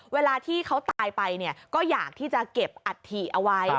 เวลาที่เขาตายไปก็อยากที่จะเก็บอัฐิเอาไว้